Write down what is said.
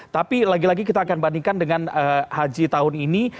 tapi lagi lagi kita akan bandingkan dengan haji tahun ini